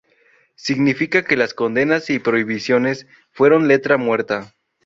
Significa que las condenas y prohibiciones fueron letra muerta.